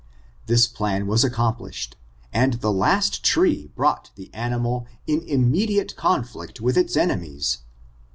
This plan was accomplished, and the last tree brought the animal in immediate conflict with its enemies.